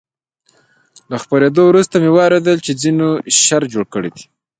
له خپرېدو وروسته مې واورېدل چې ځینو شر جوړ کړی دی.